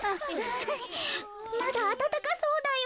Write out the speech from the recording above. まだあたたかそうだよ。